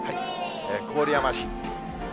郡山市。